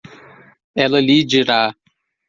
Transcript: Ela lhe dirá